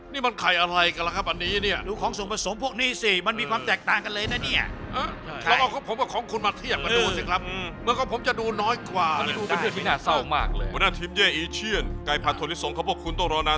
เฮ่ยไอ้เชี่ยนไก่ผัดโทรศงค์ของพวกคุณต้องรอนานเท่าไหร่ถึงจะเอาไปเสิร์ฟได้